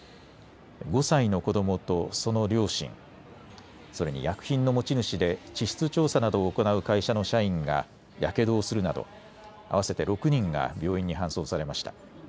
５歳の子どもとその両親、それに薬品の持ち主で地質調査などを行う会社の社員がやけどをするなど合わせて６人が病院に搬送されました。